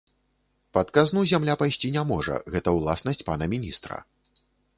Пад казну зямля пайсці не можа, гэта ўласнасць пана міністра.